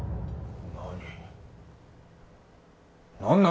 何？